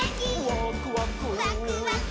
「ワクワク」ワクワク。